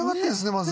まず。